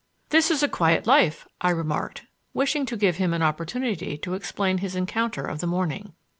"This is a quiet life," I remarked, wishing to give him an opportunity to explain his encounter of the morning.